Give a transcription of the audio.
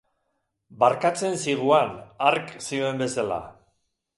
Barkatzen ziguan, hark zioen bezala.